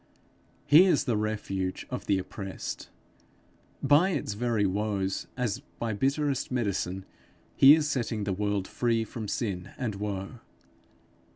He is the refuge of the oppressed. By its very woes, as by bitterest medicine, he is setting the world free from sin and woe.